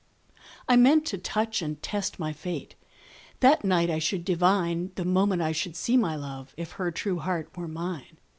I meant to touch and test my fate; That night I should divine, The moment I should see my love, If her true heart were mine.